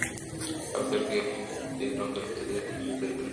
তারা ভেতরে গিয়ে দেখে রুস্তমের মৃতদেহ রক্তাক্ত অবস্থায় মেঝেতে পড়ে আছে।